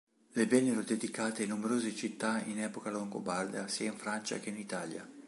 Le vennero dedicate numerose città in epoca longobarda sia in Francia che in Italia.